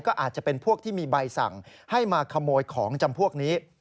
ก็อาจจะเป็นพวกที่มีใบสั่งให้มาขโมยของจำพวกนี้